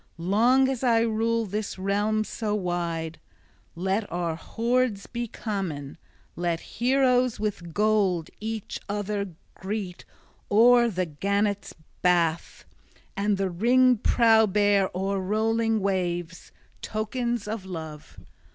Long as I rule this realm so wide, let our hoards be common, let heroes with gold each other greet o'er the gannet's bath, and the ringed prow bear o'er rolling waves tokens of love.